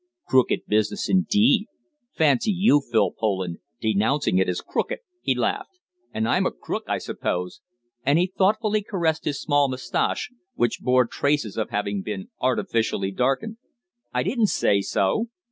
"Crooked business, indeed! Fancy you, Phil Poland, denouncing it as crooked!" he laughed. "And I'm a crook, I suppose," and he thoughtfully caressed his small moustache, which bore traces of having been artificially darkened. "I didn't say so."